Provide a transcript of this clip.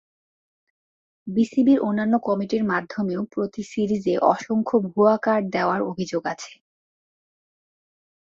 বিসিবির অন্যান্য কমিটির মাধ্যমেও প্রতি সিরিজে অসংখ্য ভুয়া কার্ড দেওয়ার অভিযোগ আছে।